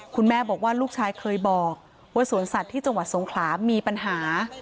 คุณแม่บอกว่าลูกชายเคยบอกว่าสวนสัตว์ที่จังหวัดสงขลามีปัญหา